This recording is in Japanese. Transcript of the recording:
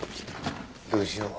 どうしよう。